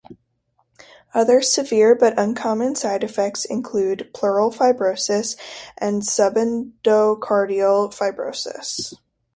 Other severe but uncommon side effects include pleural fibrosis, and subendocardial fibrosis.